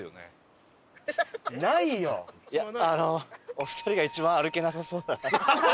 お二人が一番歩けなさそうな。